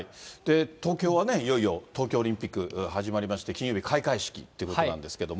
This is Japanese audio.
東京はね、いよいよ東京オリンピック始まりまして、金曜日、開会式っていうことなんですけども。